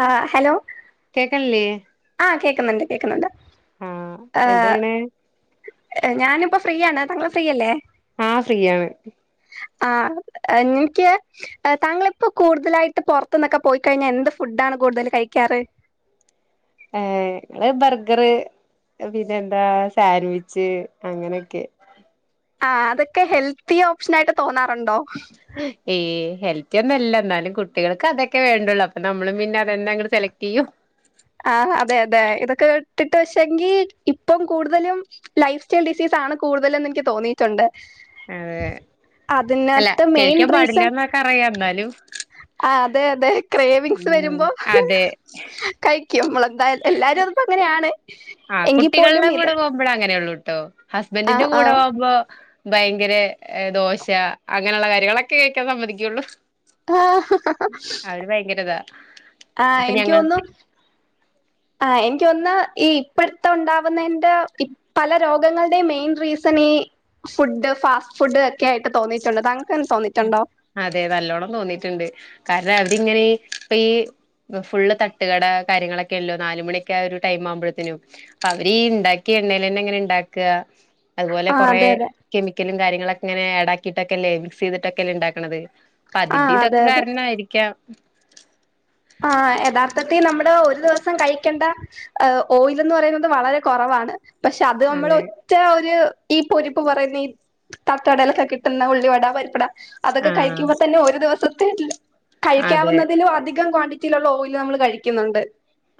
ആഹ് hello കേക്കണില്ലേ ആഹ് കേക്ക്ന്ന്ണ്ട് കേക്ക്ന്ന്ണ്ട് ആഹ് ആഹ് എന്തെയ്യ്ണ് ഞാനിപ്പോ ഫ്രീയാണ് താങ്കള് ഫ്രീയല്ലേ? ആഹ് ഫ്രീയാണ് ആഹ് എഞ്ഞീക്ക് താങ്കളിപ്പോ കൂടുതലായിട്ട് പൊറത്തുന്നൊക്കെ പോയിക്കഴിഞ്ഞാ എന്ത് ഫുഡാണ് കൂടുതല് കഴിക്കാറ് ഏഹ് ഞങ്ങള് ബർഗർ പിന്നെ എന്താ സാൻവിച്ച് അങ്ങനെക്കെ ആഹ് അതൊക്കെ ഹെൽത്തി ഓപ്ഷനായിട്ട് തോന്നാറുണ്ടോ? ഏയ് ഹെൽത്തിയൊന്നല്ല ന്നാലും കുട്ടികൾക്ക് അതൊക്കെ വേണ്ടുള്ളൂ അപ്പൊ നമ്മളും പിന്നെ അതെന്നങ്ങട് സെലക്ട്ടെയ്യും. ആഹ് അതെ അതെ ഇതൊക്കെ ഇട്ടിട്ട് പക്ഷെങ്കി ഇപ്പം കൂടുതലും. ലൈഫ് സ്റ്റൈൽ ഡിസീസാണ് കൂടുതലെന്ന് എൻക്കി തോന്നിട്ടുണ്ട് അതെ അല്ല മെയിൻ കഴിക്കാൻ പാടില്ലന്നൊക്കെ അറിയാം ന്നാലും ആഹ് അതെ അതെ ക്രേവിങ്സ് വെരുമ്പോ അതെ കഴിക്കും മ്പളെന്തായ എല്ലാരുംഅത്പ്പോ അങ്ങനെയാണ് എങ്കിപോലും ഇത് മ്മള്അങ്ങനെള്ളൂട്ടോ ആ ഹസ്ബന്റിന്റെ ആ കൂടൊവുമ്പോ ഭയങ്കര ദോശ അങ്ങനെള്ള കാര്യങ്ങളൊക്കെ കഴിക്കാൻ സമ്മതിക്കോള്ളൂ. [unintelligible] ഭയങ്കരിതാ ആഹ് എനിക്ക്യോന്നു ആ എനിക്ക്‌യോന്ന് ഈ ഇപ്പഴ്ത്തെ ഒണ്ടാവുന്നേന്റെ പി പല രോഗങ്ങൾടെ മെയ്ൻ റീസണീ ഫുഡ് ഫാസ്റ്റ് ഫുഡ് ഒക്കെയായിട്ട് തോന്നിട്ടുണ്ട് താങ്കൾക്കങ്ങനെ തോന്നിട്ടുണ്ടോ? അതെ നല്ലോണ്ണം തോന്നീറ്റ്ണ്ട് കാരണം അവരിങ്ങനെ ഇപ്പ ഈ ഫുള്ള് തട്ടുകട കാര്യങ്ങളൊക്കെല്ലോ നാലുമണിയൊക്കെ ആ ഒരു ടൈം ആവുമ്പോഴ്ത്തേനും അവരീണ്ടാക്കിയ എണ്ണേൽ തന്നെ അങ്ങനെണ്ടാക്കുക അതുപോലെ ആഹ് കുറെ അതെ അതെ കെമിക്കലും കാര്യങ്ങളൊക്കെ ഇങ്ങനെ ടാക്കിട്ടൊക്കെ അല്ലേ മിക്സ് ചെയ്തിട്ടൊക്കെല്ലേ ഉണ്ടാക്കണത്. പ്പ അതിന്റെ ആഹ് അതെ ഇതൊക്കെ അതെ കാരണമായിരിക്കാം ആഹ് യഥാർത്ഥത്തിൽ നമ്മള് ഒരു ദിവസം കഴിക്കേണ്ട ഓയിൽ എന്ന് പറയുന്നത് വളരെ കൊറവാണ് പക്ഷെ അത് നമ്മള് അതെ ഒറ്റ ഒരു ഈ പൊരിപ്പ് പറയുന്ന ഈ തട്ടുകടയിലൊക്കെ കിട്ടുന്ന ഉള്ളിവട പരിപ്പുട അതൊക്കെ ആഹ് കഴിക്കുമ്പോ തന്നെ ഒരു ദിവസത്തെല അതെ കഴിക്കാവുന്നതിലും അധികം ക്വാണ്ടിറ്റിയിലുള്ള ഓയില് നമ്മൾ കഴിക്കുന്നുണ്ട്.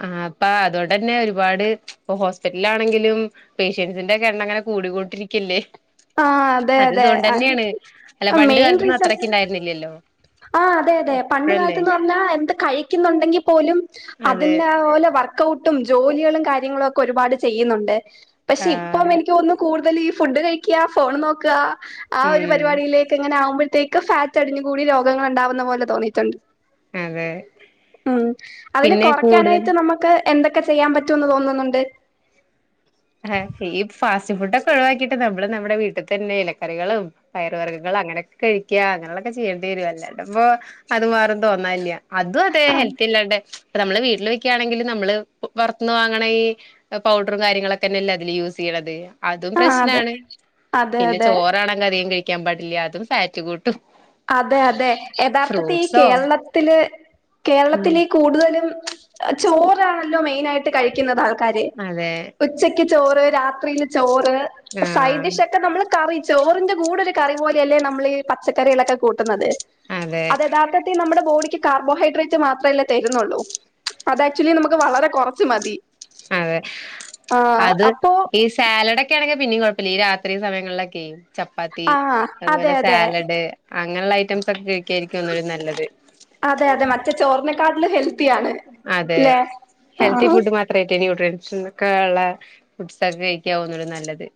ആഹ് അപ്പ അതൊണ്ട് തന്നെ ഒരുപാട് ഇപ്പ ഹോസ്പിറ്റലിൽ ആണെങ്കിലും പേഷ്യൻസിന്റെയൊക്കെ എണ്ണം ഇങ്ങനെ കൂടികൊണ്ടിരിക്കല്ലേ? ആഹ് അതെ അത് അതെ ഇതുകൊണ്ടു തന്നെയാണ് അല്ല പണ്ട് മെയിൻ കാലത്തെന്നും റീസൺ അത്രക്ക് ഉണ്ടായിരുന്നില്ലല്ലോ? ആഹ് അതെ അതെ പണ്ട് ഇപ്പഴല്ലേ കാലത്ത് എന്ന് പറഞ്ഞാ എന്ത് കഴിക്കുന്നുണ്ടെങ്കിൽ പോലും അതെ അതിൻ്റെ പോലെ വർക്ക് ക്കൗട്ടുംജോലികളും കാര്യങ്ങളും ഒക്കെ ഒരുപാട് ചെയ്യുന്നുണ്ട് പക്ഷെ ഇപ്പ ആഹ് എനിക്ക് തോന്നുന്നു കൂടുതൽ ഈ ഫുഡ് കഴിക്കുക ഫോൺ നോക്കുക ആ ഒരു ഉം പരിപാടിയിലേക്ക് എങ്ങനെ ആകുമ്പോഴത്തേക്ക് ഫാറ്റ് അടിഞ്ഞു കൂടി രോഗങ്ങൾ ഉണ്ടാവുന്ന പോലെ തോന്നിട്ടുണ്ട്. അതെ ഉം അതിനെ പിന്നെ കൂടുതൽ കൊറക്കാനായിട്ട് നമക്ക് എന്തൊക്കെ ചെയ്യാൻ പറ്റുമെന്ന് തോന്നുന്നുണ്ട്. ആഹ് ഈ ഫാസ്റ്റ് ഫുഡ് ഒക്കെ ഒഴിവാക്കിയിട്ട് നമ്മള് നമ്മുടെ വീട്ടിൽ തന്നെ ഇലക്കറികളും പയർ വർഗങ്ങൾ അങ്ങനെയൊക്കെ കഴിക്കുക അങ്ങനെയൊക്കെ ചെയ്യേണ്ടി വരും അല്ലാണ്ട് ഇപ്പോ അത് മാറും എന്ന് തോന്നല്ല്യാ അതും അതെ ആഹ് ഹെൽത്തില്ലാണ്ട്- ഇപ്പം നമ്മള് വീട്ടിൽ വെക്കുകയാണെങ്കിൽ നമ്മള് പുറത്തുന്ന് വാങ്ങുണ ഈ പൗഡറും കാര്യങ്ങളെ തന്നെ അല്ലെ അതിലും യൂസ് ചെയ്യണത് അതും ആഹ് അതെ പ്രശ്നാണ് അതെ പിന്നെ അതെ ചോറാണെങ്കിൽ അതികം കഴി ക്കാൻ പാടില്ല അതും ഫാറ്റ് കൂട്ടും. അതെ അതെ യഥാർത്ഥത്തിൽ ഈ ഫ്രൂട്ട്സോ കേരളത്തില് ഉം കേരളത്തിലേക്ക് കൂടുതലും ചോറാണല്ലോ മെയിനായിട്ട് കഴിക്കുന്നത് ആൾക്കാര് അതെ ഉച്ചക്ക് ചോറ് രാത്രിയില് ചോറ് ആഹ് സൈഡിഷ് ഒക്കെ നമ്മള് കറി ചേറിൻ്റെ കൂടെരു കറി പോലെയല്ലേ നമ്മൾ ഈ പച്ചക്കറികളൊക്കെ കൂട്ടുന്നത് അതെ അത് യഥാർത്ഥത്തി നമ്മുടെ ബോഡിക്ക് കാർബോഹൈഡ്രേറ്റ്സ് മാത്രമല്ലേ തരുന്നുള്ളൂ. അത് ആക്ച്വലി നമുക്ക് വളരെ കൊറച്ച് മതി അതെ ആഹ് അപ്പോ സാലഡ് ഒക്കെ ആണെങ്കിൽ പിന്നയും കുഴപ്പമില്ല ഈ രാത്രി സമയങ്ങളിലൊക്കെ ചപ്പാത്തി ആ അതെ അതുപോലെ അതെ സാലഡ് അങ്ങനെയുള്ള ഐറ്റംസ് ഒക്കെ കഴിക്കായിരിക്കും ഒന്നുടെ നല്ലത്. അതെ അതെ മറ്റേ ചോറിനെക്കാട്ടിലും ഹെൽത്തിയാണ് അല്ലേ ആഹ് അഹ്- അത്രയൊക്കെ ന്യട്രിയൻസ് ഒക്കെ ഉള്ള ഫുഡ്സ് ഒക്കെ കഴിക്കാവുന്ന നല്ലത്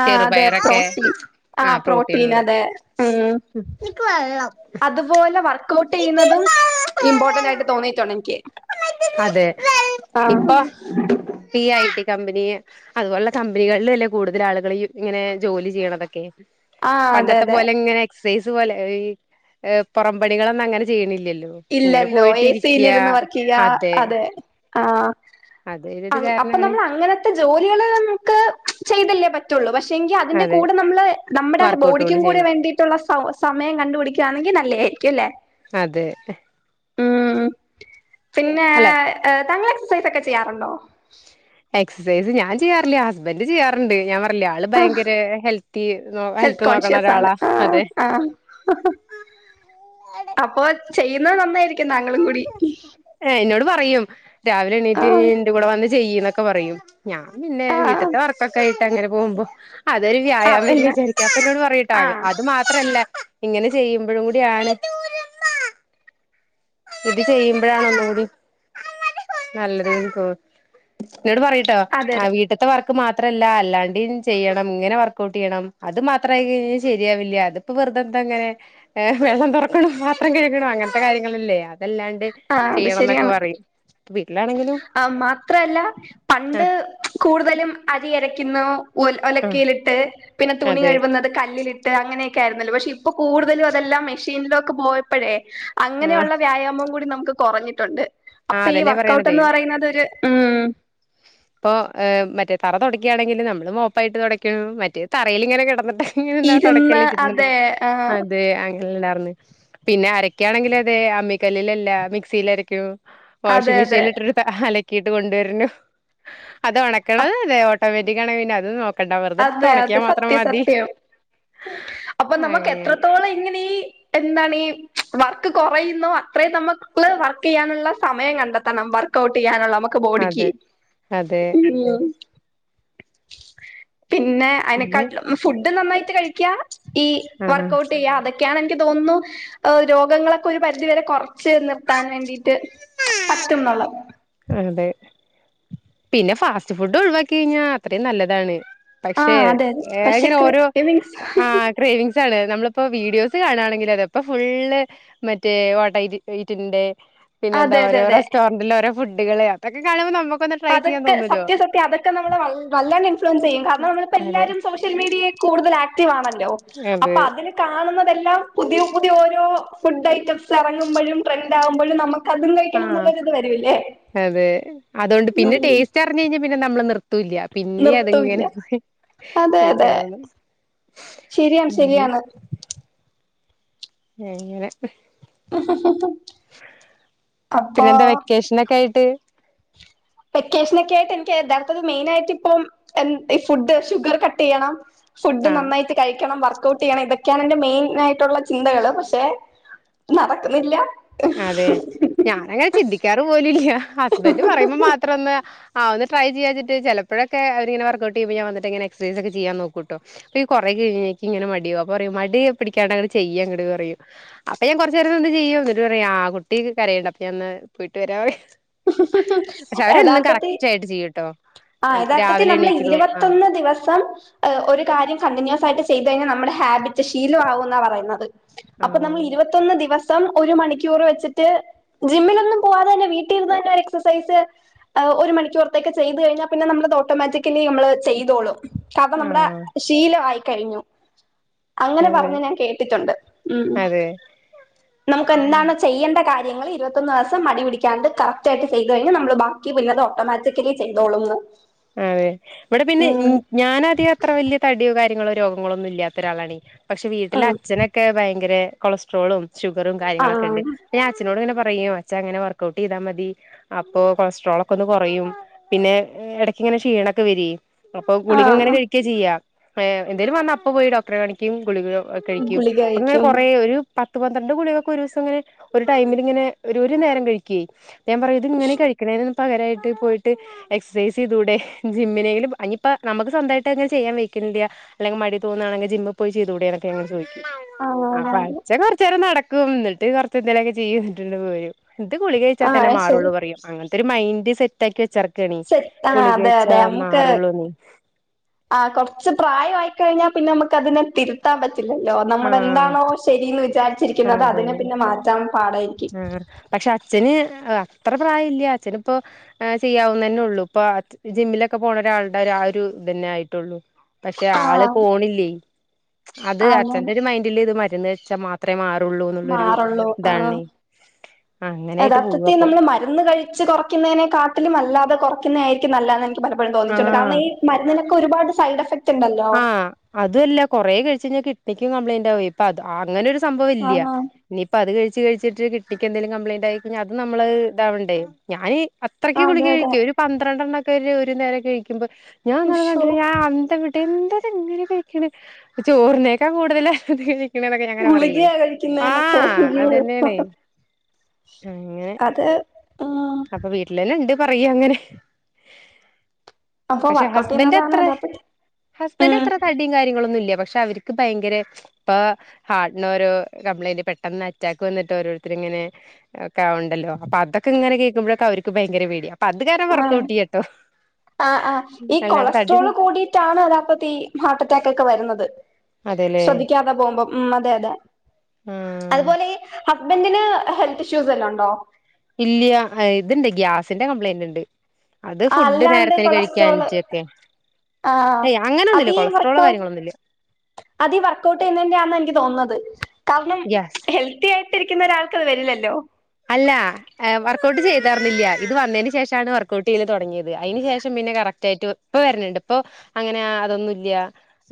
ആ ചെറു അതെ പയറൊക്കെ പ്രോട്ടീൻ ആ ആഹ് പ്രോട്ടീൻ ഒക്കെ അതെ അതു പോലെ വർക്ക് ഔട്ട് ചെയ്യുന്നതും ഇമ്പോർട്ടന്റ് ആയിട്ട് തോന്നിയിട്ടുണ്ട് എനിക്ക് അതെ ആ ഇപ്പൊ ഈ ഐടി കമ്പനിയെ അതുപോലുള്ള കമ്പനികളിലല്ലേ കൂടുതൽ ആളുകൾ ഇങ്ങനെ ജോലി ചെയ്യണതൊക്കെ ആ അതെ പണ്ടത്തെ അതെ പോലെ ഇങ്ങനെ എക്സസൈസ് പോലെ പുറം പണികളൊന്നും അങ്ങനെ ചെയ്യണില്ലല്ലോ ഇങ്ങനെ ഇല്ലല്ലോ എസിൽ പോയിട്ടിരിക്ക ഇരുന്ന് വർക്ക് ചെയ്യാ അതെ ആഹ് അതെ അപ്പൊ കാരണാണ് നമ്മൾ അങ്ങനത്തെ ജോലികൾ നമുക്ക് ചെയ്തല്ലേ പറ്റുള്ളൂ പക്ഷെങ്കിൽ അതിന്റെ അതെ കൂടെ നമ്മള് നമ്മുടെ വർക്കഔട്ട് കൊണ്ട് ബോഡിക്കും കൂടി ചെയ്യണം വേണ്ടിയിട്ടുള്ള സ സമയം കണ്ടു പിടിക്കുവാണെങ്കിൽ നല്ലതായിരിക്കും അല്ലെ അതെ ഉം പിന്നെ അല്ല താങ്കൾ എക്സസൈസ് ഒക്കെ ചെയ്യാറുണ്ടോ എക്സസൈസ് ഞാൻ ചെയാറില്ല ഹസ്ബന്റ് ചെയ്യാറുണ്ട് ഞാൻ ല്ല ആള് ആ ഭയങ്കര ഹെൽത്തി ഹെൽത്ത് നോക്കണ കോൺഷ്യസ് ആണ് ഒരാളാ ആ അതെ അപ്പൊ ചെയ്യുന്നത് നന്നായിരിക്കും താങ്കളും കൂടി ഏഹ് എന്നോട് പറയും രാവിലെ ആ എണീറ്റ് എന്റെ കൂടെ വന്ന് ചെയ്യ് എന്നൊക്കെ പറയും ഞാൻ പിന്നെ ആ വീട്ടത്തെ വർക്കൊക്കെ ആയിട്ട് അങ്ങനെ പോകുമ്പോ അതൊരു ആ വ്യായാമം പിന്നെ വിചാരിക്കാത്തന്ന് പറഞ്ഞിട്ടാ ആ അത് മാത് ത്രല്ല ഇങ്ങനെ ചെയ്യുമ്പോഴും കൂട ആണ് ഇത് ചെയ്യുമ്പോഴാണ് ഒന്നുകൂടി നല്ലതതോന് ന്നോട് പറട്ടോ അതെ ആ അതെ വീട്ടത്തെ വർ ക്ക് മാത്രല്ല അല്ലാണ്ടേ ചെയ്യണം ഇങ്ങനെ വർക്ഔട്ട് ചെയ്യണം അത് മാത്രമായികഴിഞ്ഞൽ ശെരിയാവില്ല അത് ഇപ്പ വെറുതെന്തെങ്ങനെ വെള്ളം തുറക്കണം മാത്രം കഴിക്കണോ അങ്ങനത്തെ കാര്യ ളല്ലേ അതല്ലാണ്ട് ആ അത് ചെയ്യണം എന്നൊക്കെ ശരിയാണ് പറയും വീട്ടിലാണെങ്കിലും ആ മാത്രല്ല ആ പണ്ട് കൂടുതലും അരിയരക്കുന്നു ഓൽ ആ ഒലക്കയിലിട്ട് പിന്നെ തുണി അതെ കഴുകുന്നത് കല്ലിൽട്ട് ട്ട് അങ്ങനെയൊക്കെ ആയിരുന്നല്ലോ പക്ഷേ ഇപ്പൊ കൂടുതലും അതെല്ലാം മെഷീനിലോക് പോയപ്പഴേ ആ അങ്ങനെയുള്ള വ്യായാമം കൂടി നമ്ക്ക് കൊറഞ്ഞിട്ടുണ്ട്. ആഹ് അതന്നെ പറ സ്കൗട്ട് എന്ന് പറയുന്നത് ഒരു ഉം ഇപ്പൊ ഏ മറ്റേ തറ തുടക്കുയാണെങ്കിൽ നമ്മള് മോപ്പായിട്ട് തുടക്കു മറ്റേ തറയിൽ ഇങ്ങനെ കെടന്നിട്ട് ഇങ്ങനെന്താ ഇരുന്ന് തുടക്കല്ലേ ചിണ്ട അതെ ആ അതെ ണ്ടർന്ന് പിന്നെ അരക്കാണെങ്കിൽ അതെ അമ്മിക്കല്ലിൽല്ല മിക്സിൽ അരക്കും അതെ വാഷിങ്ങ് അതെ മെഷീൻല്ട്ട് ട്ട് ട്ട അലക്കിയിട്ട് കൊണ്ടുവരുനു അത് ഉണക്കണ അപ്- അതെ ഓട്ടോമാറ്റിക് ആണേ അത് നോക് അതെ അതെ സത്യ സത്യം അപ്പൊ നമ്മക്ക് അങ്ങനെ എത്രത്തോളം ഇങ്ങനേ എന്താണീ വർക്ക് കൊറയുന്നു അത്രയും നമുക്ക് വർക്ക്യ്യാനുള്ള സമയം കണ്ടെത്തണം കൗട്ട്യ്യാനുള്ള നമ്മുക്ക് ബോടക്കി അതെ അതെ പിന്നെ പിന്നെ അതിനെക്കാട്ട്ലു ഫുഡ് നന്നായിട്ട് കഴിക്യാ ഈ ആഹ് വർക്കഔട്ട്യ്യ അതൊ ക്കെയാണ്ൻക്ക് തോന്നുന്നു രോഗങ്ങളൊക്കെ ഒരു പരിധി വരെ കൊറച്ച് നിർത്താൻ വേണ്ടിട്ട് പറ്റുന്നള അതെ പിന്നെ ഫാസ്റ്റ് ഫുഡ് ഒഴിവാക്കി കഴിഞ്ഞാ അത്രയും നല്ലതാണ് പക്ഷേ ആഹ് അതെ അതെ പക്ഷെ എങ്ങനെ ക്രി ഓരോ ലിവിങ്സ് ആഹ് ക്രീയേവിങ്‌സ് നമ്മളിപ്പോ വീഡിയോസ് കാണണെങ്കിൽ അതെ ഇപ്പൊ ഫുള്ള് മറ്റേ വാട്ടാറ്റ് ഈറ്റിന്റെ പിന്നെന്ത അതെ അതെ ഓരോരൊ അതെ റെസ്റ്റോറന്റ്ല് ഓരോ ഫുഡ്കള് അതൊക്കെ കാണുമ്പോൾ നമക്ന്ന അതൊക്കെ സത്യസത്യ അതൊകെ നമ്മളെ നല്ല ഇൻഫ്ലൂവൻസ് ചെയ്യും കര്ണം നമ്മൾ ഇപ്പൊ അതെ എല്ലാരും സോഷ്യ റ്റൽ മീടിയേ കൂടുൽ ആക്ടിവ് ആണല്ലോ അതെ അപൊ അവര് കാണുന്നതെല്ലാം പുതിയ പുതിയ ഓരോ ഫുഡ് ഐറ്റംസ് എറങ്ങുമ്പോഴും ട്രെൻഡ് ആകുമ്പോഴും നമുക്ക്- അതും കഴിക്കണം ആഹ് എന്നുള്ള ഒര് ഇത് വരുംയില്ലേ അതെ അതുകൊണ്ട് പിന്നെ ടേസ്റ്റ് അറിഞ്ഞു കഴിഞ്ഞാൽ പിന്നെ നമ്മള് നിർ തുല്യയാ പിന്നെ നിർത്തൂല്ല അത്ങ്ങനെ പോയി അതെ കഴിക്കാൻ അതെ തോനും ശരിയാണ് ശരിയാണ് എങ്ങനെ പിന്നെ അപ്പൊ എന്താ വെക്കേഷനെക്കെ ആയിട്ട്? വെക്കേഷനൊക്കെ ആയിട്ട് എനിക്ക് യഥാർത്ഥത്തി മെയിൻ ആയിട്ട് ഇപ്പം ഈ ഫുഡ് ഷുഗർ കട്ട് ചെയ്യണം. ഫുഡ് ആഹ് നന്നായിട്ട് കഴിക്കണം വർക്ക്‌ ഔട്ട് ചെയ്യണം ഇതൊക്കെയാണ് എന്റെ മെയിൻ ആയിട്ടുള്ള ചിന്തകള് പക്ഷെ- നടക്കുന്നില്ല അതെ ഞാനങ്ങനെ ചിന്തിക്കാറ് പോലുയില്ല ഹസ്ബൻഡ് പറയുമ്പോ മാത്രം ഒന്ന്- ആഹ് ഒന്ന് ട്രൈ ചെയ്യാനായിട്ട് ചെലപ്പോഴൊക്കെ അവരിങ്ങനെ വർക് ഔട്ട്യ്യുമ്പോ ഞാൻ വന്നിട്ട് ഇങ്ങനെ എക്സൈസ് ഒക്കെ ചെയ്യാൻ നോക്കുട്ടോ അപ്പൊ ഈ കൊറേ കഴിഞ് കഴിഞ്ഞാൽ എനിക്ക് ഇങ്ങനെ മടിയവാ അപ്പോ പറയും മടി പിടിക്കാണ്ട് അങ്ങ്ട് ചെയ് അങ്ങട് പറയും അപ്പൊ ഞാൻ കൊറച്ച് നേരം നിന്ന് ചെയ്യും എന്നിട്ട് പറയും ആ കുട്ടിക് കരയല്ലോ അപ്പ ഞാനൊന്ന് പോയിട്ട് വരാവെ പക്ഷെ അവരെന്നും കറക്റ്റ് ആയിട്ട് ചെയ്യുട്ടോ ആഹ് യഥാർത്ഥത്തിൽ നമ്മള് ഇരുപത്തൊന്ന് ദിവസം- ഒരു കാര്യം കണ്ടിന്യൂസ് ആയിട്ട് ചെയ്ത് കഴിഞ്ഞാൽ നമ്മുടെ ഹാബിറ്റ് ശീലംമാവും എന്നാ പറയുന്നത്. ആ അപ്പൊ നമ്മള് ഇരുപത്തൊന്ന് ദിവസം ഒരു മണിക്കൂർ വെച്ചിട്ട് ജിമ്മിലൊന്നും പോവാതെ തന്നെ വീട്- ട്ടിരുന്നു തന്നെ എക്സസൈസ്- ഒരു മണിക്കൂറത്തേക്ക്‌ ചെയ്തു കഴിഞ്ഞാൽ പിന്നെ നമ്മളത് ഓട്ടോമാറ്റിക്കലി നമ്മള് ചെയ്തോളും കഥ ആ നമ്മുടെ ശീലം ആയിക്കഴിഞ്ഞു അങ്ങനെ അതെ പറഞ്ഞ് ഞാൻ കേട്ടിട്ടുണ്ട് ഉം അതെ നമുക്ക് ഉം എന്താണോ ചെയ്യേണ്ട കാര്യ- നിങ്ങള് ഇരുപത്ത്ഒന്ന് ദിവസം മടി പിടിക്കാണ്ട് കറക്റ്റ് ആയിട്ട് ചെയ്ത് കഴിഞ്ഞാൽ നമ്മള് ബാക്കി പിന്നെ അത് ഓട്ടോമാറ്റിക്കലി ചെയ്തോളുംന്ന് അതെ ഇവിടെ പിന്നെ ഉം ഞാൻ അധികം അത്ര വലിയ തടിയോ കാര്യങ്ങളോ രോഗങ്ങളോ ഒന്നും ഇല്ലാത്ത ഒരാളാണേ പക്ഷെ വീട്ടിലെ ഉം അച്ഛനൊക്കെ ഭയങ്കര കൊളസ്ട്രോളും ഷുഗറും കാര്യങ്ങളൊക്കെ ഇണ്ട് ആഹ് ഞാൻ അച്ഛനോട് ഇങ്ങനെ പറയും അച്ചാ അങ്ങനെ വർക്ക് ഔട്ട് ചെയ്താ മതി അപ്പോ കൊളസ്ട്രോൾ ഒക്കെ ഒന്ന് കൊറയും പിന്നെ ഇട- ഇങ്ങന ഷീണംയൊക്കെ വരിയേ അപ്പൊ ഗുളിക ഇങ്ങനെ ആഹ് കഴിക്കാ ചെയ്യയ ഏ എന്തോലും വന്നാ അപ്പപ്പോയി ഡോക്ടറെ കാണിക്ക- ഗുളിക കഴിക്കും ഗുളിക അങ്ങനെ കഴിക്കും കൊറേ ഒരു പത്തി - പത്ത് പന്ത്രണ്ട് ഗുളികയൊക്കെ ഒരു ദിവസംയിങ്ങനെ ഒരു ടൈമിലിങ്ങനെ ഒരു നേരം കഴിക്കുവെ ഞാൻ പറയും ഇത് ഇങ്ങനെ കഴി - കഴിക്കാണേന് പകരായിട്ട് പോയിട്ട് എക്സസൈസ്- ചെയ്തുടെ ജിമ്മിനെങ്കിലും ഇനിയിപ്പോ നമുക്ക് സ്വന്തമായിട്ട് അങ്ങനെ ചെയ്യാൻ വെക്കുന്നില്ല അല്ലെങ്കി മടി തോന്നുയാണെങ്കി ജിമ്മിൽ പോയി ചെയ്തുടെ എന്നൊക്ക ഇങ്ങനെ ചോദിക്കും ആഹ് ആ അതെ അതെ അച്ഛൻ കൊറച്ച് നേരം നടക്കും എന്നിട്ട് കൊറച്ച് എന്തേലൊക്കെ ചെയ്യും എന്നിട്ട് ഇങ്ങട് പോരും എന്നിട്ട് ഗുളിക- വച്ചാൽ തന്നെ ആഹ് മാറുള്ളൂ ശരി പറയും അങ്ങനത്തെ ഒരു മൈയിൻഡ് സെറ്റ് ആക്കി വെച്ചേർക്കുവാനേ ശരി ആഹ് അതെ അതെ നമക്ക്- ആ കൊറച്ച് പ്രായമായിക്കഴിഞ്ഞാൽ പിന്നെ നമുക്ക് അതിനെ തിരുത്ത - ത്താൻ പറ്റില്ലല്ലോ നമ്മുടെ ആഹ് എന്താണോ ശരിയെന്ന് വിചാരിച്ചിരിക്കുന്നത് അതെ അതിനെ പിന്നെ മാറ്റാൻ പാടായിരിക്കും ആഹ് പക്ഷെ അച്ഛന് അത്ര പ്രായയില്ല അച്ഛനിപ്പോ- ആ ചെയ്യാവുന്ന തന്നെ ഉള്ളൂ ഇപ്പൊ ജിമ്മിലൊക്കെ പോണെ ഒരാളുടെ ആഒരു ഇത് തന്നെ ആയിട്ടുള്ളൂ പക്ഷെ ആള് ആഹ് പോണില്ലേ അത് അങ്ങനെ അച്ഛന്റെ ഒരു മൈൻഡല് ഇത് മരുന്ന് വെച്ചാ മാ - ത്രേ മാറുള്ളൂ എന്നുള്ളൊരു ഇതാണേ അങ്ങനെയായിട്ട് യഥാർത്ഥത്തി പോവപ്പൊ നമ്മള് മരുന്ന് കഴി - വച്ച് കൊറയ്ക്കുന്നതിനെ കാട്ടിലും അല്ലാതെ കൊറക്കുന്നതായിരിക്കും നല്ല എന്ന് എനിക്ക് പലപ്പോഴും തോന്നിയിട്ടുണ്ട് കാരണം ആഹ് ഈ- മരുന്നിനൊക്കെ ഒരുപാട് സൈഡ് എഫക്റ്റ് ഉണ്ടല്ലോ അതും അല്ല കൊറേ കഴിച്ചു കഴിഞ്ഞാൻ കിട്നിണിക്കും കംപ്ലൈന്റ് ആവുവേ ഇപ്പൊ അങ്ങനെയൊരു സംഭവം ഇല്യ ആഹ് ഇനിയിപ്പ അത് കഴിച്ച് കഴിച്ചിട്ട് കിട്നിക്ക് എന്തെലും കംപ്ലയിന്റ് ആയിക്കഴിഞ്ഞാൽ അതും നമ്മള് ഇതാവണ്ടെ ഞാന്- അത്രക്ക് ഗുളി അതെ അതെ കഴിക്കും ഒരു പന്ത്രണ്ടെണ്ണം ഒക്കെ ഒരു നേരം കഴിക്കുമ്പോ ഞാൻ ഉശോ ഇന്നലെ [unintelligible] എന്താ ഇത്‌ ഇങ്ങനെ കഴിക്കണേ ചോറിന്നേക്കാ കൂടുതല് അധികം - ണ എന്നൊക്കെ ഞങ്ങനെ പറയ് ഗുളികയാ കഴിക്കുന്നേന്നൊക്കെ ആഹ് അയ്യോ അതന്നെയാണ് അങ്ങനെ അത് ആഹ് അപ്പൊ വീട്ടിലന്നെ എണ്ട് പറയ അങ്ങനെ അപ്പൊ പക്ഷെ വർക്കൗട്ട് ഹസ്ബൻറ് ചെയ്യുന്നതാണ് അത്ര യഥാർത്ഥത്തിൽ ഹസ്ബൻഡ് ഉം എത്ര തടിയും കാര്യങ്ങളൊന്നും ഇല്ല പക്ഷെ അവര്ക്ക് ഭയങ്കര ഇപ്പൊ ഹാർട്ടിന് ഓരോ കംപ്ലൈന്റ് പെട്ടെന്ന് അറ്റാക്ക് വന്നിട്ട് ഓരോരുത്തർ ഇങ്ങനെ ഒക്കെ ഉണ്ടല്ലോ അപ്പൊ അതൊക്കെ ഇങ്ങനെ കേൾക്കുമ്പോഴക്കെ അവർ ഭയങ്കര പേടി അതുകാരണം ആഹ് വർക്ക് ഔട്ടിയടോ അല്ലാണ്ട് തടി കൊളസ്ട്രോള് കൂടിയിട്ടാണ് ണ് അപ്പത്ത ഈ ഹാർട്ട് അറ്റാക്ക് ഒക്കെ വരുന്നത് അതെല്ലേ ശ്രദ്ധിക്കാതെ പോകുമ്പോം ഉം അതെ അതെ ആഹ് അതുപോലെ ഹസ്ബന്ഡന് ഹെൽത്ത് ഇഷ്യൂസ് എല്ലാം ഉണ്ടോ ഇല്ല്യ ഇതുണ്ട് ഗ്യാസിന്റെ കംപ്ലയിന്റ് ഉണ്ട് അത് ആഹ് ഫുഡ് അല്ലാണ്ട് നേരത്തിന് കൊളസ്ട്രോള് കഴിക്കാഞ്ച് ഒക്കെ ആഹ് ഏയ് അങ്ങനൊന്നുല്ല അതീ കൊളസ്ട്രോളോ വർക്കൗട്ട് കാര്യങ്ങളോ ഒന്നും ഇല്ല അതീ വർക്കൗട്ട് ചെയ്യുന്നതിന്റെ ആണ് എനിക്ക് തോന്നുന്നത് കാരണം ഗ്യാസ് ഹെൽത്തി ആയിട്ട് രിക്കുന്ന ഒരാൾക്കത് വരില്ലല്ലോ അല്ല വർക്ക് ഔട്ട് ചെയ്ത തറിന്നില്ല ഇത് വന്നതിന് ശേഷമാണ് വർക്ക്ഔട്ട് ചെയ്ത് തുടങ്ങിയത് അതിന് ശേഷം പിന്നെ കറക്റ്റ് ആയിട്ട് പ്പ വരുന്നുണ്ട് ഇപ്പോ അങ്ങനെ അതൊന്നുല്ല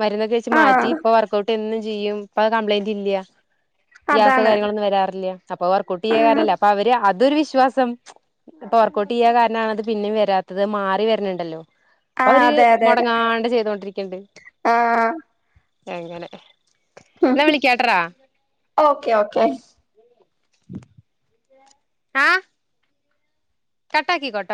വരുന്നൊ ആഹ് മാറ്റിപ്പ വർക്കൗട്ട് എന്നും ചെയ്യും ഇപ്പൊ കംപ്ലയിന്റില്ല ഗ്യാസോ അതാണ് കാര്യങ്ങളൊന്നും വരാറില്ല അപ്പൊ വർക്കൗട്ടെയ്ത ആഹ് കാരണല്ലേ അപ്പൊ അവര് അതൊരു വിശ്വാസം ഇപ്പൊ വർക്കൗട്ടെയ്യാ കാരണാണത് പിന്നെയും വരാത്തത് മാറി വരണണ്ടല്ലോ പ്പ ആഹ് അവര് അതെ അതെ അതെ മുടങ്ങാണ്ട് ചെയ്തൊണ്ടിരിക്കൽണ്ട് ആഹ് എങ്ങനെ ഓക്കെ ഓക്കെ ആഹ് കട്ടാക്കിക്കോട്ടോ